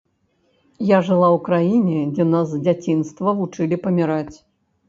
Я жыла ў краіне, дзе нас з дзяцінства вучылі паміраць.